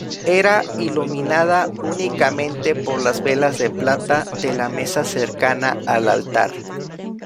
Era iluminada únicamente por las velas de plata de la mesa cercana al altar.